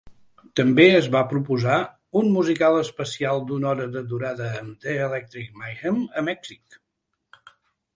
També es va proposar "un musical especial d'una hora de durada amb The Electric Mayhem a Mèxic".